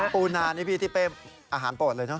ปูนานี่พี่ทิเป้อาหารโปรดเลยเนอ